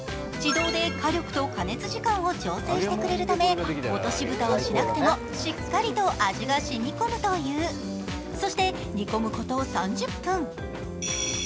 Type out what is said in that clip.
自動で火力と加熱時間を調整してくれるため落とし蓋をしなくてもしっかりと味がしみこむというそして煮込むこと３０分。